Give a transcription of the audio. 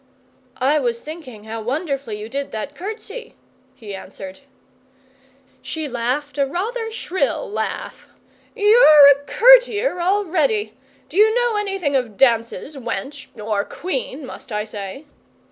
'I was thinking how wonderfully you did that curtsy,' he answered. She laughed a rather shrill laugh. 'You're a courtier already. Do you know anything of dances, wench or Queen, must I say?